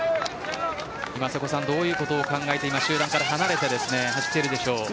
どういうことを考えて集団から離れているんでしょうか。